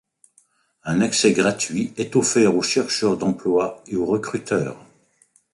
Un accès gratuit est offert aux chercheurs d'emploi et aux recruteurs.